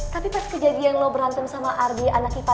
tapi pas kejadian lu berantem sama ardi anak kipa dua